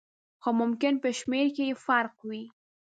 خو ممکن په شمېر کې یې فرق وي.